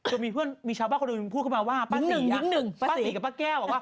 ว่ามีชาวบ้านคอนเฟิร์มพูดเข้ามาว่าป้าน๑ป้าน๔กับป้านแก้ว